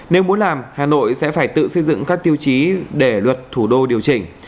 nếu muốn làm hà nội sẽ phải tự xây dựng các tiêu chí để luật thủ đô điều chỉnh